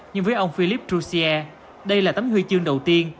nhưng với ông philippe jouzier đây là tấm huy chương đầu tiên